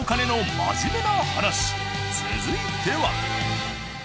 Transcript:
続いては。